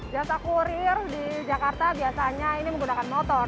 jasa kurir di jakarta biasanya ini menggunakan motor